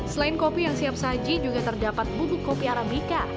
selain kopi yang siap saji juga terdapat bubuk kopi arabica